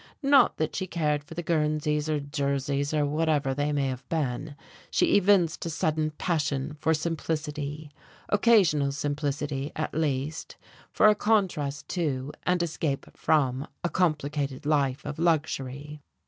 Not that she cared for the Guernseys, or Jerseys, or whatever they may have been; she evinced a sudden passion for simplicity, occasional simplicity, at least, for a contrast to and escape from a complicated life of luxury.